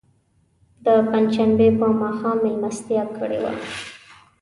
د پنج شنبې په ماښام میلمستیا کړې وه.